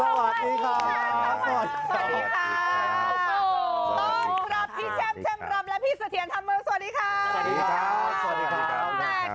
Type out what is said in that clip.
พี่แชมเริ่มและพี่เชียรทั้งทั้งหมดสวัสดีค่ะ